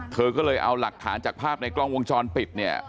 เธอก็เลยเอาหลักฐานจากภาพในกล้องวงจรปิดเนี่ย